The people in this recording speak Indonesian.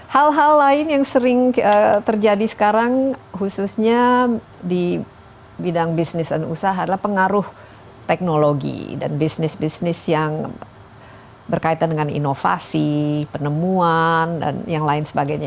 hal hal lain yang sering terjadi sekarang khususnya di bidang bisnis dan usaha adalah pengaruh teknologi dan bisnis bisnis yang berkaitan dengan inovasi penemuan dan yang lain sebagainya